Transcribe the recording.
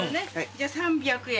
じゃ３００円。